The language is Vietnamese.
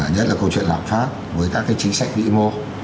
nhất là câu chuyện lạc pháp với các cái chính sách bị mộ